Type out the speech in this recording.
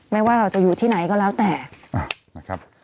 ไม่ว่าเราจะอยู่ที่ไหนก็แล้วแต่นะครับ